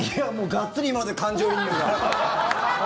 がっつり今ので感情移入が。